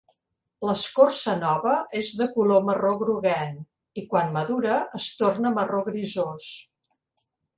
L'escorça nova és de color marró groguenc, i quan madura es torna marró grisós.